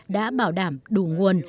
đã bảo đảm đủ nguồn